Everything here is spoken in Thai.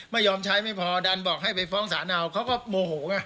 ไม่ยอมใช้ไม่พอดันบอกให้ไปฟ้องศาลเอาเขาก็โมโหไง